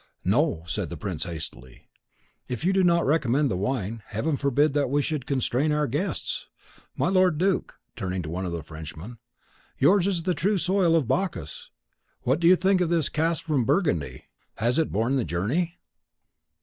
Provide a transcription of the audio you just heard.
"No," said the prince, hastily; "if you do not recommend the wine, Heaven forbid that we should constrain our guests! My lord duke," turning to one of the Frenchmen, "yours is the true soil of Bacchus. What think you of this cask from Burgundy? Has it borne the journey?"